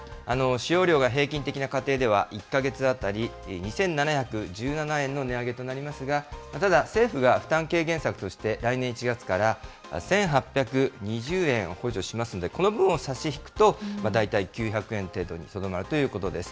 使用量が平均的な家庭では、１か月当たり２７１７円の値上げとなりますが、ただ政府が負担軽減策として、来年１月から１８２０円を補助しますので、この分を差し引くと、大体９００円程度にとどまるということです。